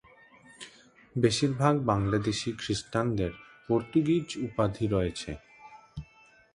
বেশিরভাগ বাংলাদেশী খ্রিস্টানদের পর্তুগিজ উপাধি রয়েছে।